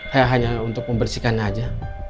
saya hanya untuk membersihkan aja